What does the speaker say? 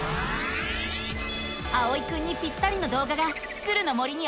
あおいくんにぴったりのどうがが「スクる！の森」にあらわれた。